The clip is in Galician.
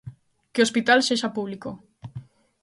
Que o hospital sexa público.